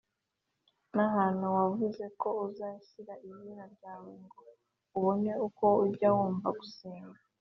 n’ahantu wavuze ko uzashyira izina ryawe, ngo ubone uko ujya wumva gusenga